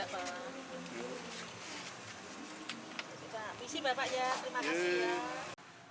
misi bapaknya terima kasih ya